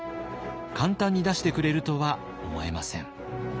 簡単に出してくれるとは思えません。